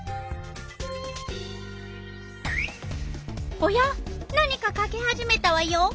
おや何か書き始めたわよ。